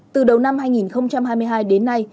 từ đầu năm hai nghìn hai mươi hai đến nay